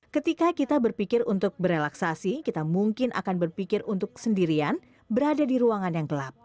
ketika kita berpikir untuk berrelaksasi kita mungkin akan berpikir untuk sendirian berada di ruangan yang gelap